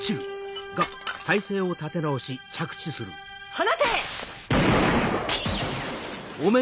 放て！